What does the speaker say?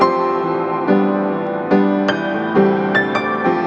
aku gak dengerin kata kata kamu mas